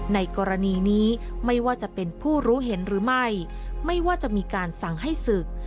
ในกรณีนี้ไม่ว่าจะเป็นผู้รู้เห็นหรือไม่ไม่ว่าจะมีการสั่งให้ศึก